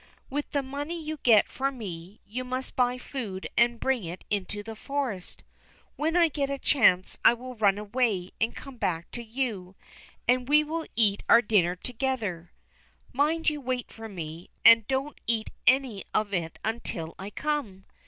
With the money you get for me, you must buy food and bring it into the forest. When I get a chance I will run away, and come back to you, and we will eat our dinner together. Mind you wait for me, and don't eat any of it until I come.